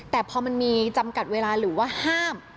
แต่พอมันมีจำกัดเวลาหรือว่าห้าม